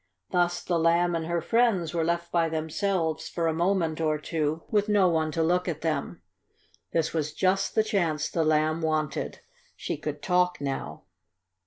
Thus the Lamb and her friends were left by themselves for a moment or two, with no one to look at them. This was just the chance the Lamb wanted. She could talk now.